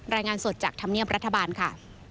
รายงานสดจากธรรมเนียบรัฐบาลค่ะ